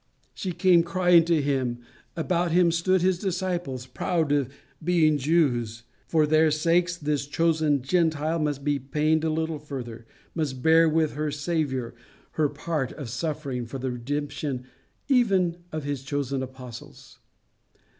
She came crying to him. About him stood his disciples, proud of being Jews. For their sakes this chosen Gentile must be pained a little further, must bear with her Saviour her part of suffering for the redemption even of his chosen apostles.